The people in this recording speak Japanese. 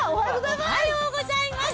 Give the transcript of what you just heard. おはようございます。